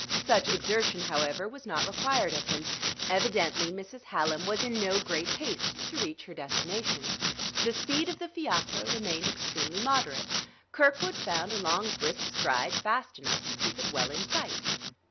Such exertion, however, was not required of him. Evidently Mrs. Hallam was in no great haste to reach her destination; the speed of the fiacre remained extremely moderate; Kirkwood found a long, brisk stride fast enough to keep it well in sight.